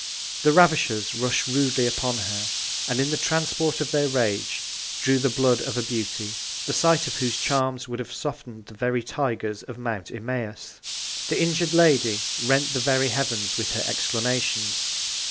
The Ravishers rush'd rudely upon her, and in the Transport of their Rage, drew the Blood of a Beauty, the Sight of whose Charms would have soften'd the very Tigers of Mount Imaüs. The injur'd Lady rent the very Heavens with her Exclamations.